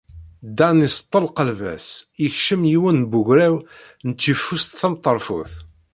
Dan iseṭṭel kalbaṣ, yekcem yiwen n wegraw n tyeffust tameṭṭarfut.